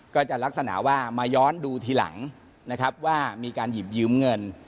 ก็จะลักษณะว่ามาย้อนดูทีหลังนะครับว่ามีการหยิบยืมเงิน